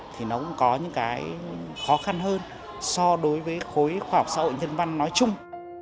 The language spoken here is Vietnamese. thì nó cũng có những cái khó khăn hơn so đối với khối khoa học xã hội nhân văn nói chung